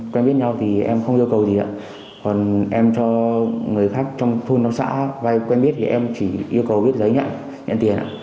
quen biết nhau thì em không yêu cầu gì ạ còn em cho người khác trong thôn trong xã vai quen biết thì em chỉ yêu cầu viết giấy nhận nhận tiền ạ